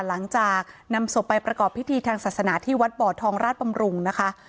หลังจากนำศพไปประกอบพิธีทางศาสนาที่วัดบ่อทองราชบำรุงนะคะ